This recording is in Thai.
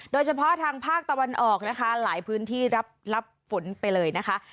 โดยเฉพาะทางภาคตะวันออกนะคะหลายพื้นที่รับฝนไปเลยนะคะ